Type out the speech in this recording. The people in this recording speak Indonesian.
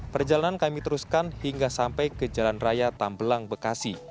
perjalanan kami teruskan hingga sampai ke jalan raya tambelang bekasi